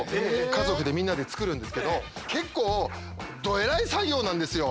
家族でみんなで作るんですけど結構どエライ作業なんですよ。